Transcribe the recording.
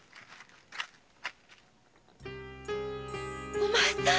お前さん！？